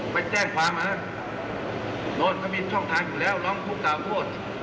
ไปแจ้งความมาโดนเขามีช่องทางอยู่แล้วร้องทุกข์กล่าวโทษ